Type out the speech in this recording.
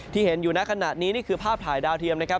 เห็นอยู่ในขณะนี้นี่คือภาพถ่ายดาวเทียมนะครับ